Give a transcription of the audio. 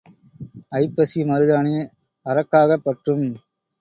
ஐப்பசி மருதாணி அரக்காகப் பற்றும்.